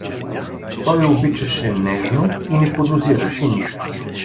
“ Той обичаше нежно и не подозираше нищо!